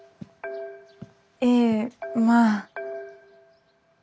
ええまあ。